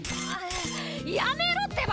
やめろってば！